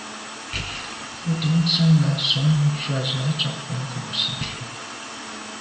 Bú tɛ̌n tsjə́ŋ ŋgà sɔ̀ŋ mùcúà zə̄ à'cák câk bwɔ́ŋkə́ʼ wàsìbítà.